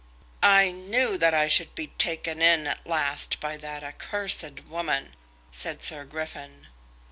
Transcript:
"I knew that I should be taken in at last by that accursed woman," said Sir Griffin.